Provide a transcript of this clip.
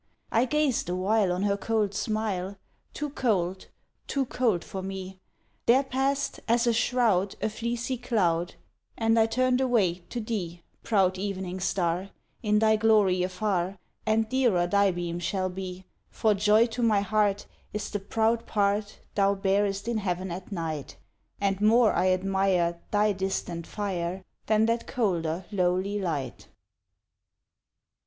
I gazed awhile On her cold smile; Too cold too cold for me There pass'd, as a shroud, A fleecy cloud, And I turn'd away to thee, Proud Evening Star, In thy glory afar, And dearer thy beam shall be; For joy to my heart Is the proud part Thou bearest in Heaven at night, And more I admire Thy distant fire, Than that colder, lowly light.